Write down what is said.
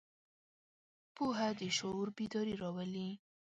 پوهه د شعور بیداري راولي.